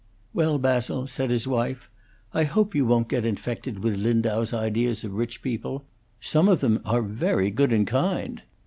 "Well, Basil," said his wife, "I hope you won't get infected with Lindau's ideas of rich people. Some of them are very good and kind."